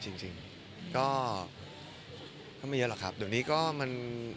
จริงจริงก็ไม่เยอะหรอกครับเดี๋ยวนี้ก็มัน